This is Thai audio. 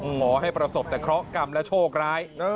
ขอให้ประสบแต่เคราะหกรรมและโชคร้าย